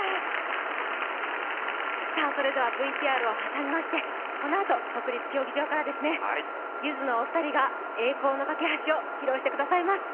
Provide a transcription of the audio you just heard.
ＶＴＲを挟みまして、このあと国立競技場からゆずのお二人が「栄光の架橋」を披露してくださいます。